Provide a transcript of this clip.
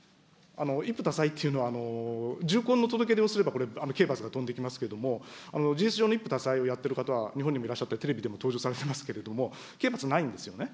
一夫多妻というのは、重婚の届け出をすれば、これ刑罰が飛んできますけれども、事実上の一夫多妻をやってる方は日本にもいらっしゃって、テレビでも登場されてますけれども、刑罰ないんですよね。